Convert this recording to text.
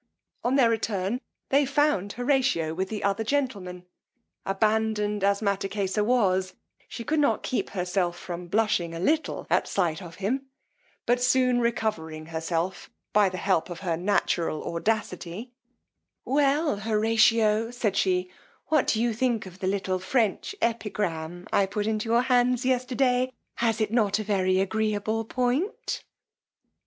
On their return they found Horatio with the other gentlemen. Abandoned as Mattakesa was, she could not keep herself from blushing a little at sight of him; but soon recovering herself by the help of her natural audacity, Well, Horatio, said she, what do you think of the little French epigram I put into your hands yesterday; has it not a very agreeable point?